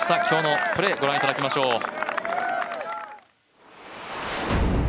今日のプレー御覧いただきましょう。